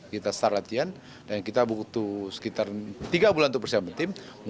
kita start latihan dan kita butuh sekitar tiga bulan untuk persiapan tim